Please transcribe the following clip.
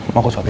mau aku sopi